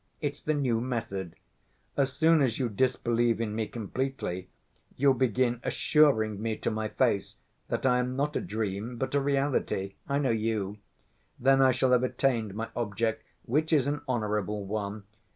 It's the new method. As soon as you disbelieve in me completely, you'll begin assuring me to my face that I am not a dream but a reality. I know you. Then I shall have attained my object, which is an honorable one.